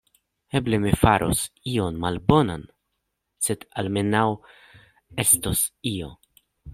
Eble mi faros ion malbonan, sed almenaŭ estos io.